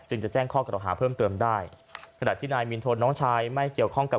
จะแจ้งข้อกล่าวหาเพิ่มเติมได้ขณะที่นายมินทนน้องชายไม่เกี่ยวข้องกับ